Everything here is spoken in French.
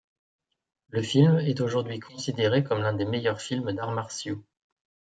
Le film est aujourd'hui considéré comme l'un des meilleurs films d'arts martiaux.